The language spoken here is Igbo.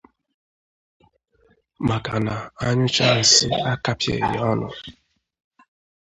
maka na a nyụchaa nsị a kapịàghị ya ọnụ